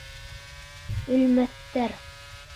Үлмәҫтәр!